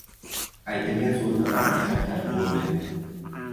• Aytilgan so‘zni ortga qaytarib bo‘lmaydi.